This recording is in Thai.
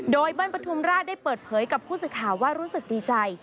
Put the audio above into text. โดยเบิ้ลปฐุมราชได้เปิดเผยกับผู้สื่อข่าวว่ารู้สึกดีใจ